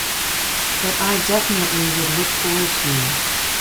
That I "definitely" would look forward to.